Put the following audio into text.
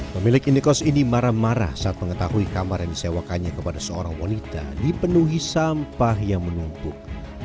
pemilik indikos ini marah marah saat mengetahui kamar yang disewakannya kepada seorang wanita dipenuhi sampah yang menumpuk